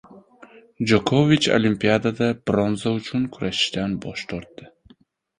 Jokovich Olimpiadada bronza uchun kurashishdan bosh tortdi.